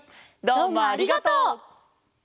どうもありがとう！